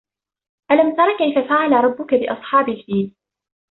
أَلَمْ تَرَ كَيْفَ فَعَلَ رَبُّكَ بِأَصْحَابِ الْفِيلِ